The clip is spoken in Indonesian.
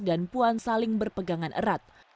dan puan saling berpegangan erat